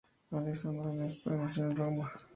Alessandro Nesta nació en Roma.